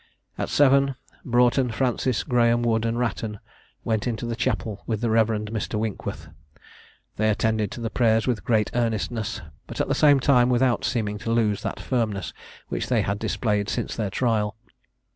At seven, Broughton, Francis, Graham, Wood, and Wratton went into the chapel with the Rev. Mr. Winkworth. They attended to the prayers with great earnestness, but at the same time without seeming to lose that firmness which they had displayed since their trial.